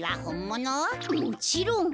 もちろん。